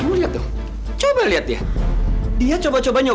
nggak wi tadi akang cuma mau